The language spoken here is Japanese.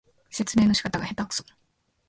説明の仕方がへたくそ